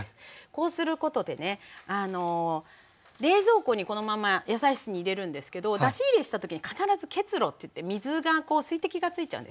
こうすることでねあの冷蔵庫にこのまま野菜室に入れるんですけど出し入れした時に必ず結露っていって水が水滴がついちゃうんですね。